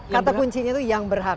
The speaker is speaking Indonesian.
kata kuncinya itu yang berhak